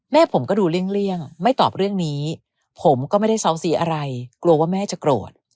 ผมก็ดูเลี่ยงไม่ตอบเรื่องนี้ผมก็ไม่ได้เซาซีอะไรกลัวว่าแม่จะโกรธ